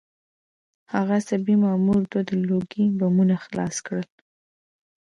هغه عصبي مامور دوه د لوګي بمونه خلاص کړل